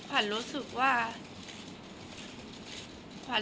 แต่ขวัญไม่สามารถสวมเขาให้แม่ขวัญได้